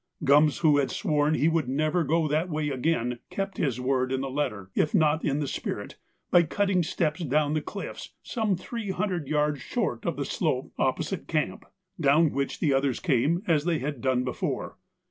Gums, who had sworn he would never go that way again, kept his word in the letter if not in the spirit by cutting steps down the cliffs some three hundred yards short of the slope opposite camp, down which the others came as they had done before.